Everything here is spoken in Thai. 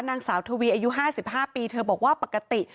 นางสาวทวีอายุ๕๕ปีเธอบอกว่าปกติ